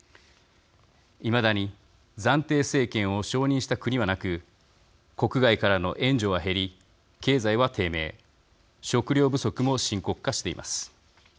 いまだに暫定政権を承認した国はなく国外からの援助は減り経済は低迷食料不足も深刻化しています。